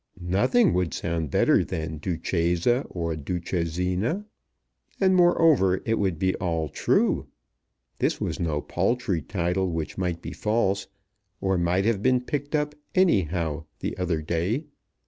Nothing would sound better than Duchessa or Duchessina! And, moreover, it would be all true! This was no paltry title which might be false, or might have been picked up, any how, the other day.